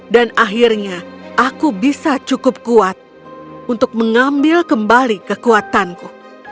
dan akhirnya aku bisa cukup kuat untuk mengambil kembali kekuatanku